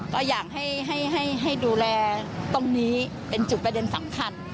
ก็อยากให้ดูแลตรงนี้เป็นจุดประเด็นสำคัญ